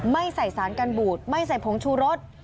ไม่ใส่สารกันบูดไม่ใส่ผงชูรส